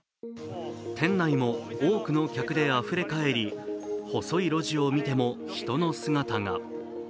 店内も多くの客であふれかえり細い路地を見ても人の姿が。